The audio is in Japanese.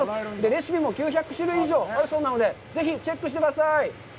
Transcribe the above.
レシピも９００種類以上あるそうなので、ぜひ作ってください。